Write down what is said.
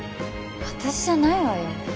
私じゃないわよ